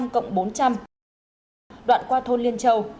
cộng bốn trăm linh đoạn qua thôn liên châu